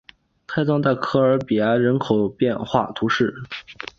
泰藏代科尔比埃人口变化图示